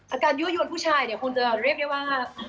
อาการยุ่นผู้ชายคงจะเรียกว่า